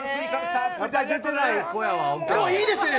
でも、いいですよね。